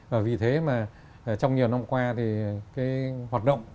và vì thế mà trong nhiều năm qua thì cái hoạt động